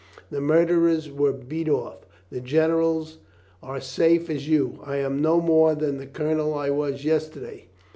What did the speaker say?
The murderers were beat off. The generals are safe as you. I am no more than the colonel I was yesterday.